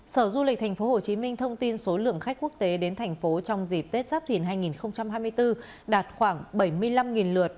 sở du lịch tp hcm thông tin số lượng khách quốc tế đến thành phố trong dịp tết giáp thìn hai nghìn hai mươi bốn đạt khoảng bảy mươi năm lượt